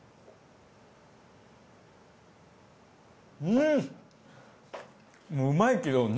うん！